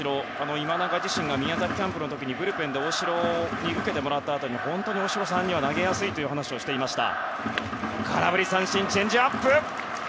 今永自身が宮崎キャンプの時にブルペンで大城に受けてもらったあとに本当に大城さんは投げやすいという話をしていました。